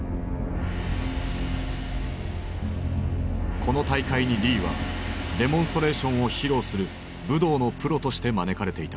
この大会にリーはデモンストレーションを披露する武道のプロとして招かれていた。